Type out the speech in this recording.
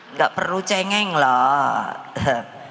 nggak perlu cengeng lah